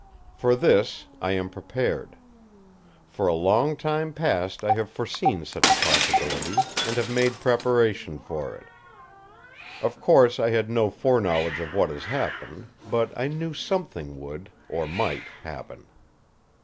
For this I am prepared. For a long time past I have foreseen such a possibility, and have made preparation for it. Of course, I had no foreknowledge of what has happened; but I knew something would, or might, happen.